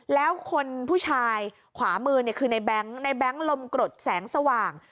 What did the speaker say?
แล้วคนผู้ชายขวามือเนี่ยคือในแบงค์ในแบงค์ลมกรดแสงสว่าง